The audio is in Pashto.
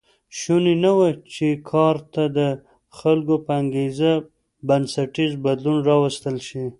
شونې نه وه چې کار ته د خلکو په انګېزه بنسټیز بدلون راوستل شي